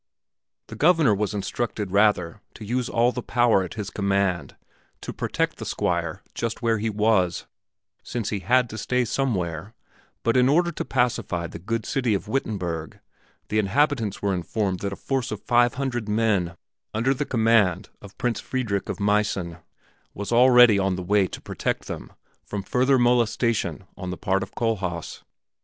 The Governor was instructed rather to use all the power at his command to protect the Squire just where he was, since he had to stay somewhere, but in order to pacify the good city of Wittenberg, the inhabitants were informed that a force of five hundred men under the command of Prince Friedrich of Meissen was already on the way to protect them from further molestation on the part of Kohlhaas.